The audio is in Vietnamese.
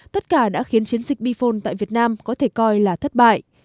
tất cả đã khiến chiến dịch bihone tại việt nam có thể coi là thất bại